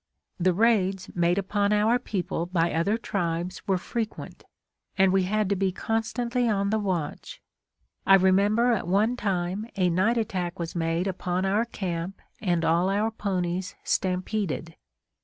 The raids made upon our people by other tribes were frequent, and we had to be constantly on the watch. I remember at one time a night attack was made upon our camp and all our ponies stampeded.